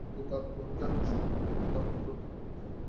কিন্তু তারপরও যাত্রীর সংখ্যার তুলনায় তা অপ্রতুল।